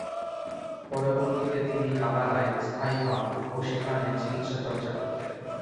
পরবর্তীতে তিনি হাভানায় স্থায়ী হন ও সেখানে চিকিৎসা চর্চা করতেন।